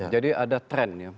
jadi ada trend ya